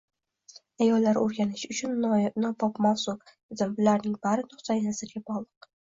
Ayollar o`rganish uchun nobop mavzu, dedim, bularning bari nuqtai nazarga bog`lik